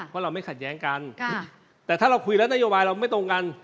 เพราะเราไม่ขัดแย้งกันแต่ถ้าเราคุยแล้วนโยบายเราไม่ตรงกัน